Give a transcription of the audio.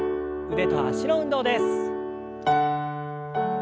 腕と脚の運動です。